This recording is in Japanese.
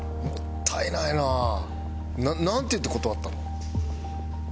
もったいないな。なんて言って断ったの？